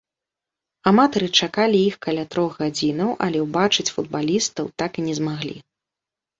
Аматары чакалі іх каля трох гадзінаў, але ўбачыць футбалістаў так і не змаглі.